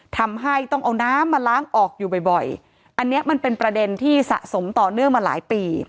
ทำให้ต้องเอาน้ำมาล้างออกอยู่บ่อยอันนี้มันเป็นประเด็นที่สะสมต่อเนื่องมาหลายปี